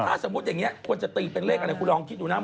ถ้าสมมุติอย่างนี้ควรจะตีเป็นเลขอะไรคุณลองคิดดูนะ